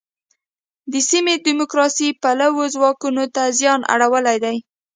د سیمې دیموکراسي پلوو ځواکونو ته زیان اړولی دی.